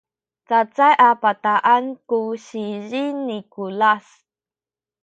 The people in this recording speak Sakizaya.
cacay a bataan ku sizi ni Kulas